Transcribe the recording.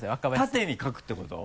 縦に書くってこと？